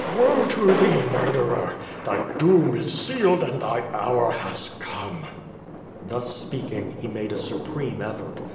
Woe to thee, murderer! Thy doojn is sealed and thy hour has comc!^' Thus speaking, he made a supreml effort.